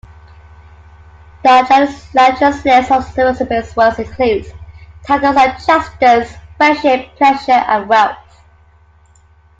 Diogenes Laertius' list of Speusippus' works includes titles on justice, friendship, pleasure, and wealth.